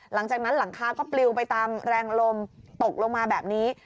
หลังจากนั้นหลังคาก็ปลิวไปตามแรงลมตกลงมาแบบนี้